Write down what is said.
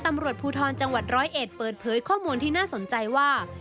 ตำรวจภูทรจังหวัดร้อยเอ็ดเปิดเผยข้อมูลที่น่าสนใจว่า